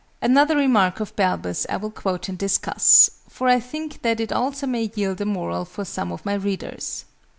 Another remark of BALBUS I will quote and discuss: for I think that it also may yield a moral for some of my readers.